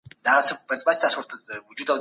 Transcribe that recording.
څېړونکی د حقیقت په لټه کې وي.